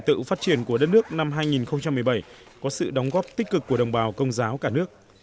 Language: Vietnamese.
tự phát triển của đất nước năm hai nghìn một mươi bảy có sự đóng góp tích cực của đồng bào công giáo cả nước